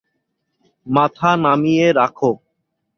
মাথা নামিয়ে রাখো।